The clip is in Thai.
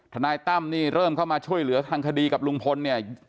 นายตั้มนี่เริ่มเข้ามาช่วยเหลือทางคดีกับลุงพลเนี่ย